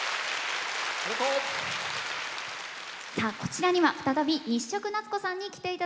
さあこちらには再び日食なつこさんに来ていただきました。